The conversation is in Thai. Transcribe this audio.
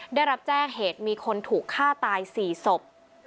ได้รับแจ้งเหตุมีคนถูกฆ่าตาย๔ศพ